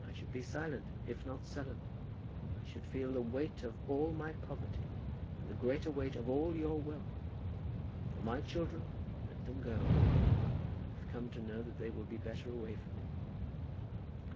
I should be silent, if not sullen. I should feel the weight of all my poverty, and the greater weight of all your wealth. For my children, let them go. I have come to know that they will be better away from me."